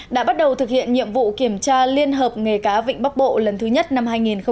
đã bắt đầu thực hiện nhiệm vụ kiểm tra liên hợp nghề cá vịnh bắc bộ lần thứ nhất năm hai nghìn hai mươi